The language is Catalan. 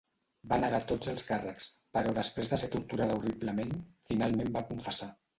Va negar tots els càrrecs, però després de ser torturada horriblement, finalment va confessar.